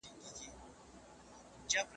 که ته په ځیر سره واورې نو املا سم لیکلی سې.